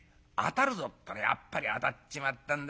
ったらやっぱりあたっちまったんだ。